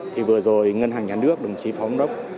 thì vừa rồi ngân hàng nhà nước đồng chí phóng đốc